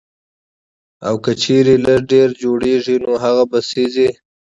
او کۀ چرې لږ ډېر جوړيږي نو هغه به سېزئ